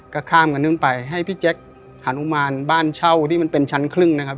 ก็ข้ามกันขึ้นไปให้พี่แจ๊คหานุมานบ้านเช่าที่มันเป็นชั้นครึ่งนะครับ